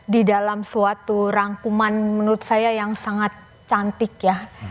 di dalam suatu rangkuman menurut saya yang sangat cantik ya